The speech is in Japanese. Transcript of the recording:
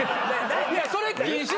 それ禁止。